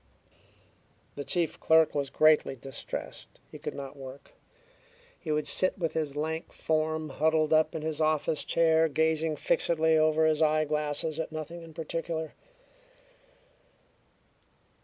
The chief clerk was greatly distressed. He could not work. He would sit with his lank form huddled up in his office chair, gazing fixedly over his eyeglasses at nothing in particular.